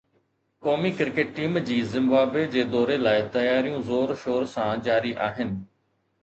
قومي cricket team جي Zimbabwe جي دوري لاءِ تياريون زور شور سان جاري آهن